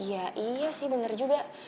iya iya sih bener juga